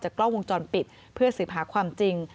กล้องวงจรปิดเพื่อสืบหาความจริง